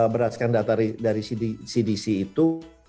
berdasarkan data dari cdc itu